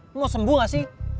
ini mau sembuh gak sih